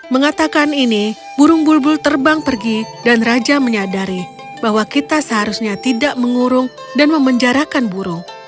mengatakan ini burung bulbul terbang pergi dan raja menyadari bahwa kita seharusnya tidak mengurung dan memenjarakan burung